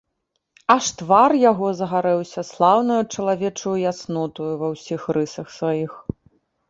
Аж твар яго загарэўся слаўнаю чалавечаю яснотаю ва ўсіх рысах сваіх.